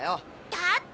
だって。